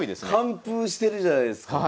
完封してるじゃないですか。